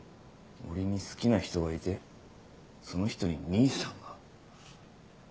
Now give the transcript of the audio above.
俺に好きな人がいてその人に兄さんが？